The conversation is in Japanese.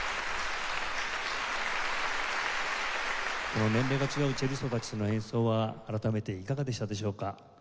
この年齢が違うチェリストたちとの演奏は改めていかがでしたでしょうか？